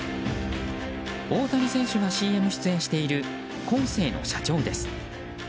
大谷選手がＣＭ出演しているコーセーの社長です。